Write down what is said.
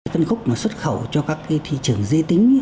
phân khúc nó xuất khẩu cho các thị trường dê tính